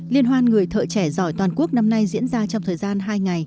liên hoan người thợ trẻ giỏi toàn quốc năm nay diễn ra trong thời gian hai ngày